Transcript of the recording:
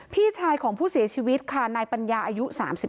พี่ชายของผู้เสียชีวิตค่ะนายปัญญาอายุ๓๙